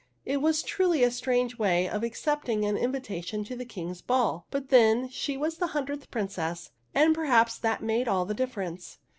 It was truly a strange way of accepting an invitation to the King's ball ; but then, she was the hundredth Princess, and perhaps that made all the difference.